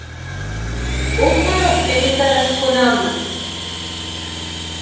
Aux pompes! répéta l’astronome.